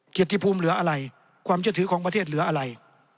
เกียรติภูมิเหลืออะไรความเชื่อถือของประเทศเหลืออะไร